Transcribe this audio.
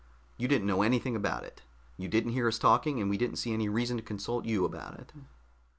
"You didn't know anything about it. You didn't hear us talking, and we didn't see any reason to consult you about it."